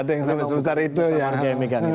ada yang sampai selesai itu ya